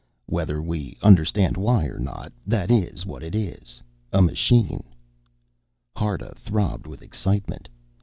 "Whether we understand why or not, that is what it is a machine." Harta throbbed with excitement.